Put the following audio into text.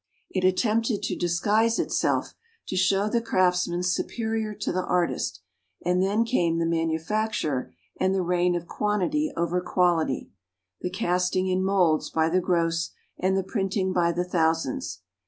It attempted to disguise itself, to show the craftsman superior to the artist; and then came the Manufacturer and the reign of quantity over quality, the casting in moulds by the gross and the printing by the thousands.